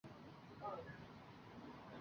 江西省新昌县棠浦镇沐溪村人。